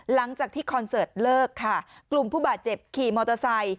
คอนเสิร์ตเลิกค่ะกลุ่มผู้บาดเจ็บขี่มอเตอร์ไซค์